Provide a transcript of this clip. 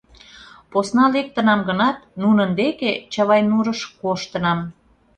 Посна лектынам гынат, нунын деке, Чавайнурыш, коштынам.